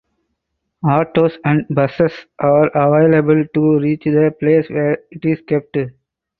Autos and Buses are available to reach the place where it is kept.